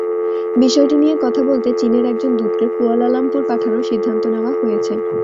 বিষয়টি নিয়ে কথা বলতে চীনের একজন দূতকে কুয়ালালামপুর পাঠানোর সিদ্ধান্ত নেওয়া হয়েছে।